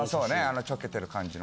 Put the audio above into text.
あのちょけてる感じの。